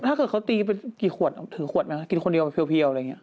ถ้าเกิดเขาตีเป็นกี่ขวดถือขวดมากินคนเดียวเพียวอะไรอย่างนี้